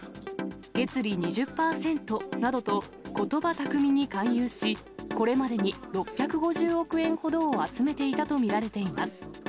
月利２０％などとことば巧みに勧誘し、これまでに６５０億円ほどを集めていたと見られています。